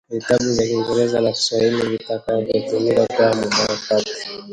Vitabu vya kingereza na Kiswahili vitakavyotumika kwa muda kati